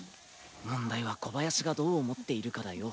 問題は小林がどう思っているかだよ。